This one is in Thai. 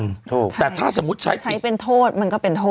ถูกแต่ถ้าสมมุติใช้ใช้เป็นโทษมันก็เป็นโทษ